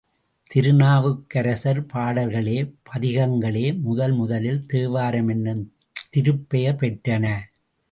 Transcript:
திருநாவுக்கரசர் பாடல்களே பதிகங்களே முதல் முதலில் தேவாரம் என்னும் திருப்பெயர் பெற்றன.